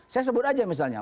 saya sebut aja misalnya